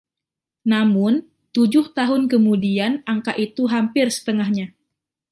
Namun, tujuh tahun kemudian angka itu hampir setengahnya.